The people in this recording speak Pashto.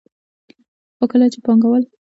خو کله چې به پانګوال او کارګر خپل حساب سره کاوه